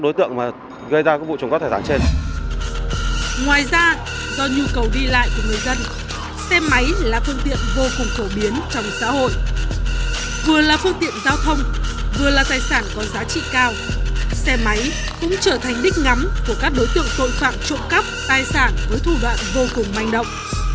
đối tượng tội phạm trộm cắp tài sản với thủ đoạn vô cùng manh động